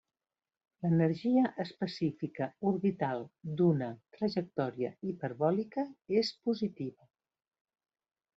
L'energia específica orbital d'una trajectòria hiperbòlica és positiva.